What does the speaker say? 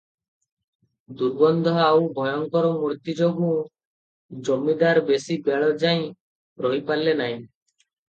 ଦୁର୍ଗନ୍ଧ ଆଉ ଭୟଙ୍କର ମୂର୍ତ୍ତି ଯୋଗୁଁ ଜମିଦାର ବେଶି ବେଳ ଯାଇ ରହିପାରିଲେ ନାହିଁ ।